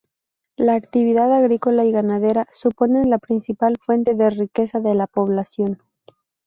La actividad agrícola y ganadera suponen la principal fuente de riqueza de la población.